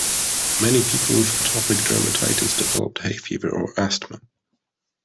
Many people with atopic dermatitis develop hay fever or asthma.